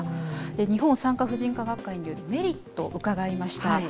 日本産科婦人科学会にメリット、伺いました。